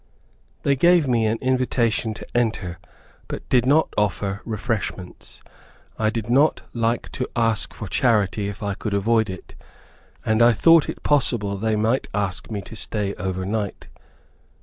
They gave me an invitation to enter, but did not offer refreshments. I did not like to ask for charity if I could avoid it, and I thought it possible they might ask me to stay over night.